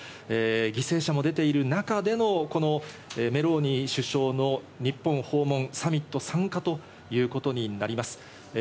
犠牲者も出ている中でのメローニ首相の日本訪問、サミット参加ということになります。